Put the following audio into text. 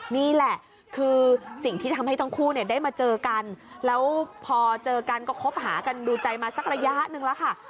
นี่แหละคือสิ่งที่ทำให้ทั้งคู่เนี่ยได้มาเจอกันแล้วพอเจอกันก็คบหากันดูใจมาสักระยะหนึ่งแล้วค่ะ